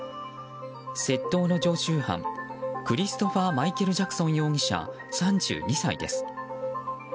窃盗の常習犯、クリストファー・マイケル・ジャクソン容疑者３２歳です。